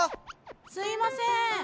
・すみません。